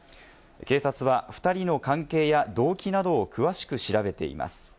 警察は２人の関係や動機などを詳しく調べています。